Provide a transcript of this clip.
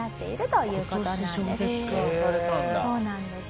そうなんです。